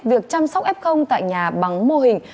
việc chăm sóc f tại nhà bằng mô hình